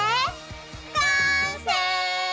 完成！